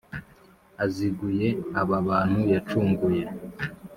aziguye aba bantu yacungura